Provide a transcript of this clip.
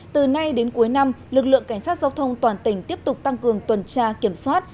từ nay đến cuối năm lực lượng cảnh sát giao thông toàn tỉnh tiếp tục tăng cường tuần tra kiểm soát